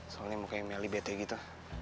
soalnya mukanya melly bete gitu